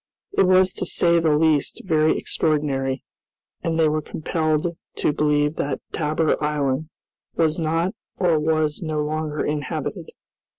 It was to say the least very extraordinary, and they were compelled to believe that Tabor Island was not or was no longer inhabited.